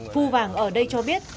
phu vàng ở đây cho biết